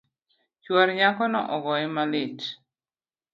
Chuor nyakono ogoye malit